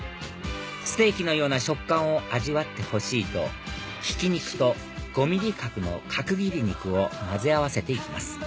ステーキのような食感を味わってほしいとひき肉と５ｍｍ角の角切り肉を混ぜ合わせて行きます